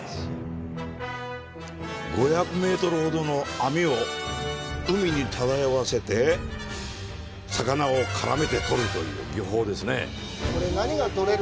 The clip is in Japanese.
５００メートルほどの網を海に漂わせて魚を絡めて取るという漁法です。